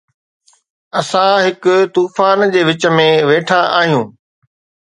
اسان هڪ طوفان جي وچ ۾ ويٺا آهيون